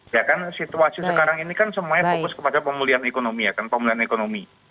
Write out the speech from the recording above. ya kan situasi sekarang ini kan semuanya fokus kepada pemulihan ekonomi ya kan pemulihan ekonomi